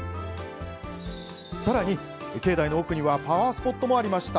さらに、境内の奥にはパワースポットもありました。